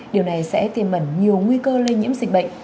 điều này sẽ tiềm ẩn nhiều nguy cơ lây nhiễm dịch bệnh